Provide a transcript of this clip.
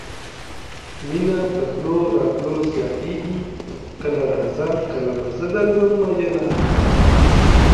مينه په تلو راتلو زياتيږي کله راځه کله به زه درځم مينه